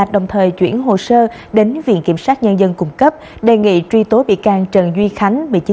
đồng thời chuyển hồ sơ đến viện kiểm sát nhân dân cung cấp đề nghị truy tố bị can trần duy khánh